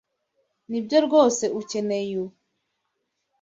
Nibyo rwose ukeneye ubu.